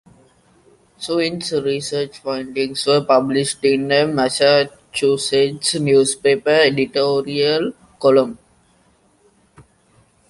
Swint's research findings were published in a Massachusetts newspaper editorial column.